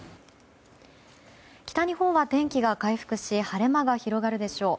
北日本は天気が回復し晴れ間が広がるでしょう。